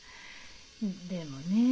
でもねえ